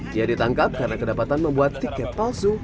dia ditangkap karena kedapatan membuat tiket palsu